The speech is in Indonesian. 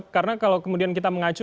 karena kalau kemudian kita mengacu